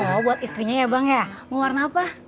oh buat istrinya ya bang ya mau warna apa